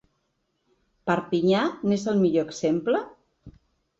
Perpinyà n’és el millor exemple?